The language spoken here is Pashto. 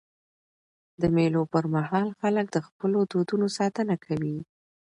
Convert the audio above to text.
د مېلو پر مهال خلک د خپلو دودونو ساتنه کوي.